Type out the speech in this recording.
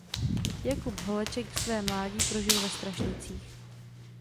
Jakub Holeček své mládí prožil ve Strašnicích.